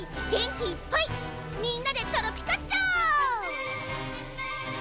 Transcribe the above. みんなでトロピカっちゃおう！